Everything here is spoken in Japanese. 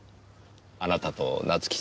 あなたと夏樹さん